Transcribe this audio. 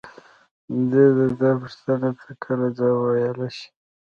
دى د تا پوښتنو ته کله ځواب ويلاى شي.